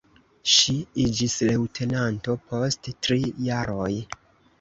Ŝi iĝis leŭtenanto, post tri jaroj.